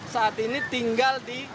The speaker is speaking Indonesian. saat ini tinggal di